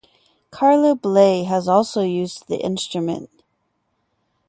Carla Bley has also used the instrument.